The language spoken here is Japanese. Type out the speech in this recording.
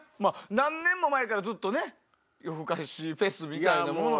何年も前からずっとね『夜ふかし』フェスをやろうと。